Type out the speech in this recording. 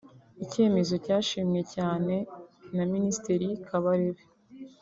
icyemezo cyashimwe cyane na Minisitiri Kabarebe